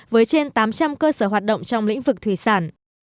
với trên tám trăm linh cơ sở hoạt động trong lĩnh vực thủy sản